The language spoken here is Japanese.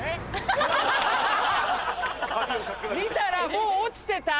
見たらもう落ちてた！